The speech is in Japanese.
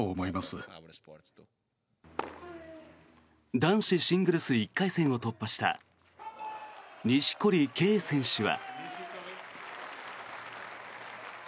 男子シングルス１回戦を突破した錦織圭選手は。